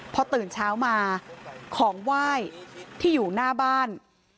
พอตื่นเช้ามาของไหว้ที่อยู่หน้าบ้าน